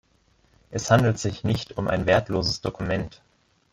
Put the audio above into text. Es handelt sich nicht um ein wertloses Dokument.